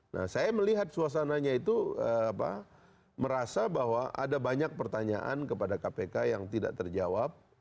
nah saya melihat suasananya itu merasa bahwa ada banyak pertanyaan kepada kpk yang tidak terjawab